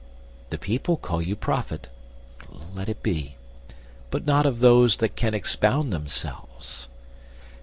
The people call you prophet: let it be: But not of those that can expound themselves.